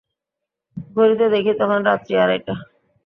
ঘড়িতে দেখি, তখন রাত্রি আড়াইটা।